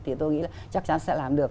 thì tôi nghĩ là chắc chắn sẽ làm được